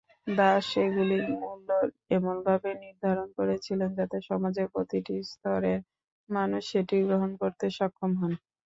দাশ এগুলির মূল্য এমনভাবে নির্ধারণ করেছিলেন যাতে সমাজের প্রতিটি স্তরের মানুষ সেটি গ্রহণ করতে সক্ষম হন।